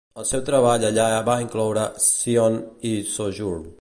El seu treball allà va incloure "Scion" i "Sojourn".